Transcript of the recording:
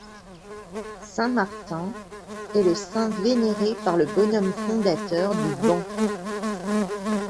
Saint Martin est le saint vénéré par le bonhomme fondateur du ban.